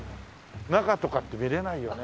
中とかって見れないよね？